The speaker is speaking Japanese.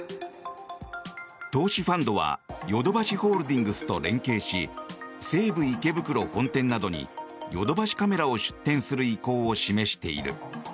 投資ファンドはヨドバシホールディングスと連携し西武池袋本店などにヨドバシカメラを出店する意向を示している。